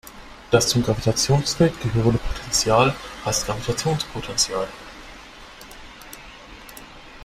Das zum Gravitationsfeld gehörende Potential heißt Gravitationspotential.